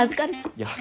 いや。